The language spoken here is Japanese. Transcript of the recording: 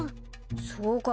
そうか。